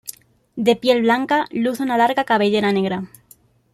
De piel blanca, luce una larga cabellera negra.